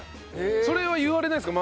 それは言われないですか？